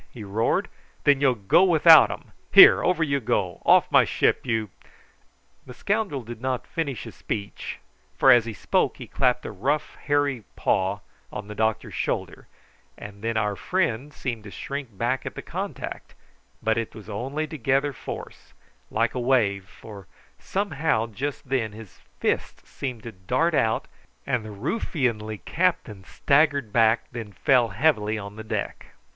he roared; "then you'll go without 'em. Here, over you go; off my ship, you " The scoundrel did not finish his speech, for as he spoke he clapped a great rough hairy paw on the doctor's shoulder, and then our friend seemed to shrink back at the contact; but it was only to gather force, like a wave, for, somehow, just then his fist seemed to dart out, and the ruffianly captain staggered back and then fell heavily on the deck.